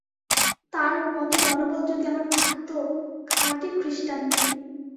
তাঁর মত মনোবল যদি আমার থাকত! খাঁটি খ্রীষ্টান তিনি।